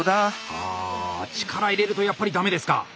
あ力入れるとやっぱりダメですか？